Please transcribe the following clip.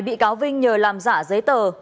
bị cáo vinh nhờ làm giả giấy tờ